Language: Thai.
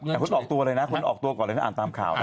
แต่คุณออกตัวเลยนะคุณออกตัวก่อนเลยถ้าอ่านตามข่าวนะ